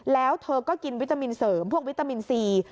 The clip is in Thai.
แล้วเธอก็กินวิตามินเสริมพวกวิตามินซี